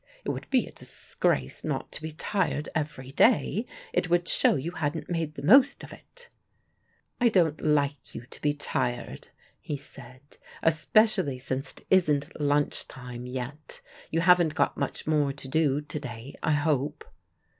"It would be a disgrace not to be tired every day. It would show you hadn't made the most of it." "I don't like you to be tired," he said, "especially since it isn't lunch time yet. You haven't got much more to do, to day, I hope."